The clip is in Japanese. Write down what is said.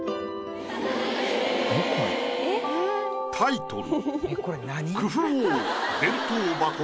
タイトル